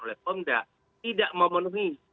oleh pemda tidak memenuhi